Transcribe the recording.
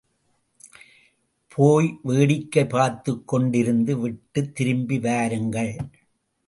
போய் வேடிக்கை பார்த்துக்கொண்டிருந்து விட்டுத் திரும்பி வாருங்கள்.